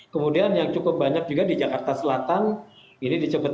kemudian yang cukup banyak juga di jakarta selatan ini di cepete